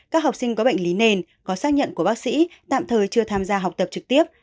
các học sinh có bệnh lý nền có xác nhận của bác sĩ tạm thời chưa tham gia học tập trực tiếp